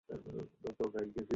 এটি ছিল তিনতলা বিশিষ্ট।